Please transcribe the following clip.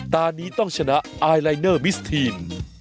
ตอนนี้ต้องชนะไอลายเนอร์มิสทีน